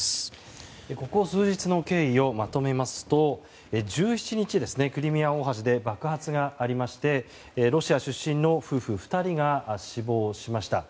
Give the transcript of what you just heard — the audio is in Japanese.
ここ数日の経緯をまとめますと１７日、クリミア大橋で爆発がありましてロシア出身の夫婦２人が死亡しました。